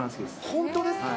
本当ですか？